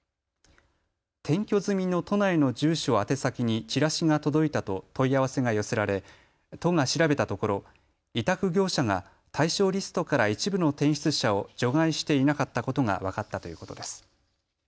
転居済みの都内の住所を宛先にチラシが届いたと問い合わせが寄せられ都が調べたところ委託業者が対象リストから一部の転出者を除外していなかったことが分かったということです。